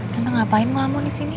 tante ngapain ngelamun disini